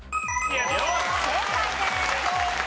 正解です。